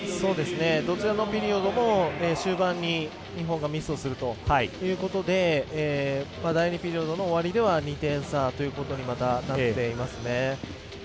どちらのピリオドも終盤に日本がミスをするということで第２ピリオドの終わりでは２点差ということにまた、なっていますね。